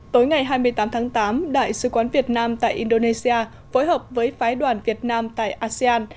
tối ngày hai mươi tám tháng tám đại sứ quán việt nam tại indonesia phối hợp với phái đoàn việt nam tại asean